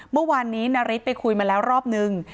เมื่อวานนี้นาริสไปคุยมาแล้วรอบนึง